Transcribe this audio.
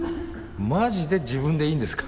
マジで自分でいいんですか？